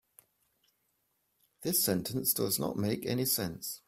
This sentence does not make any sense.